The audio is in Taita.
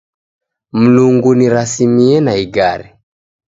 Mlungu nirasimie na igare.